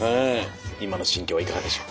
今の心境はいかがでしょう？